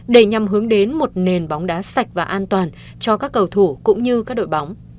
để nhằm hướng đến một nền bóng đá sạch và an toàn cho các cầu thủ cũng như các đội bóng